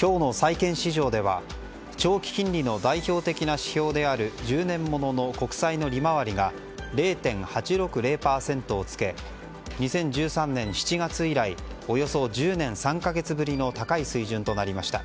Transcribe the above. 今日の債券市場では長期金利の代表的な指標である１０年物の国債の利回りが０．８６０％をつけ２０１３年７月以来およそ１０年３か月ぶりの高い水準となりました。